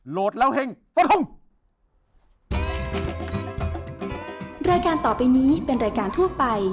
โหลดแล้วเฮ่งสวัสดีครับ